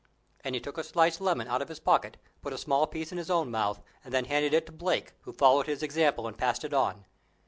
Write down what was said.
And he took a sliced lemon out of his pocket, put a small piece in his own mouth, and then handed it to Blake, who followed his example, and passed it on.